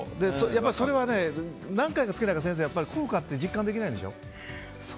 それは何回か着けないと効果って実感できないんでしょ？